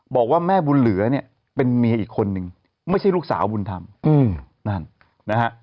บอกว่าแม่บุญเหลือเนี่ยเป็นเมียอีกคนนึงไม่ใช่ลูกสาวบุญธรรมนั่นนะฮะ